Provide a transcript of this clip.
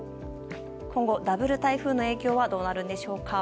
今後、ダブル台風の影響は、どうなるんでしょうか。